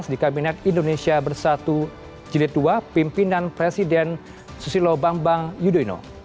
di kabinet indonesia bersatu jilid ii pimpinan presiden susilo bambang yudhoyono